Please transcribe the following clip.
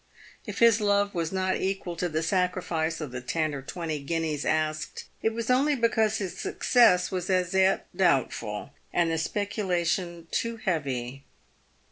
If his love was not equal to the sacrifice of the ten or twenty guineas asked, it was only because his success was as yet doubtful, and the speculation too heavy.